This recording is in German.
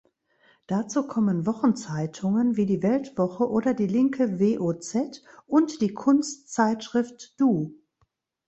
Dazu kommen Wochenzeitungen wie die Weltwoche oder die linke WoZ und die Kunstzeitschrift Du.